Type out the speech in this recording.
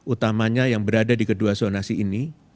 utamanya yang berada di kedua zonasi ini